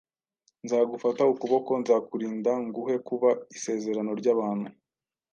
nzagufata ukuboko, nzakurinda, nguhe kuba isezerano ry’abantu